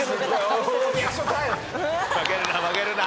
負けるな負けるな。